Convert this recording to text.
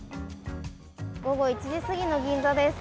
午後１時すぎの銀座です。